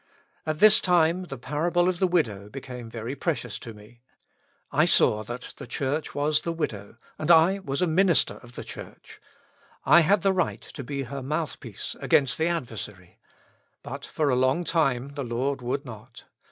At this time the parable of the widow became very precious to me. I saw that the Church was the widow, and I was a minister of the Church. I had the right to be her mouthpiece against the adversary ; but for a long time the Lord would not.